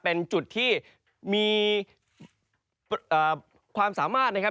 เป็นจุดที่มีความสามารถนะครับ